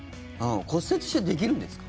骨折してできるんですか？